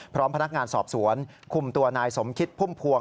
พร้อมพนักงานสอบสวนคุมตัวนายสมคิดพุ่มพวง